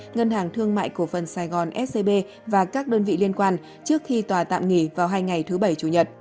ngân hàng thương mại cổ phần sài gòn scb và các đơn vị liên quan trước khi tòa tạm nghỉ vào hai ngày thứ bảy chủ nhật